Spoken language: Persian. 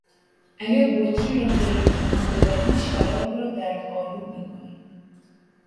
اگر بطری را خیلی تکان بدهی شراب را دردآلود میکنی.